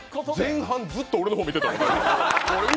前半ずっと俺の方見てたもんね。